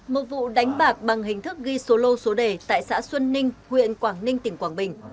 một vụ đánh bạc bằng hình thức ghi số lô số đề tại xã xuân ninh huyện quảng ninh tỉnh quảng bình